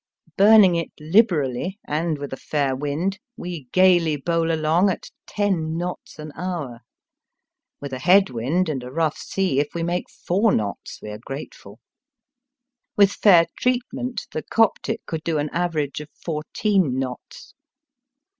Burning it libe rally, and with a fair wind, we gaily bowl along at ten knots an hour. With a head wind and Digitized by VjOOQIC 168 EAST BY WEST. a rough sea, if we make four knots we are grateful. With fair treatment the Coptic could do an average of fourteen knots.